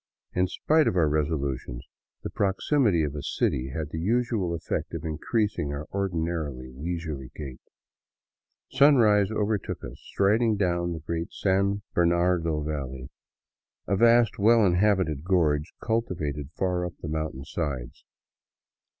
In spite of our resolutions, the proximity of a city had the usual effect of increasing our ordinarily leisurely gait. Sunrise overtook us strid ing down the great San Bernardo valley, a vast, well inhabited gorge, cultivated far up the mountain sides.